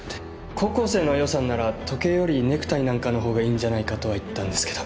高校生の予算なら時計よりネクタイなんかの方がいいんじゃないかとは言ったんですけど